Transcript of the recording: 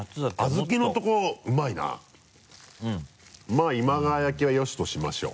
まぁ今川焼きはよしとしましょう。